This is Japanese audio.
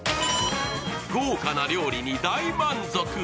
豪華な料理に大満足。